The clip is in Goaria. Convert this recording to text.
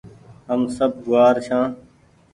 هم سب گوآر ڇآن